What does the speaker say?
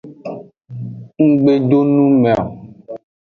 Ng gbe do nu me o.